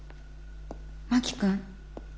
真木君。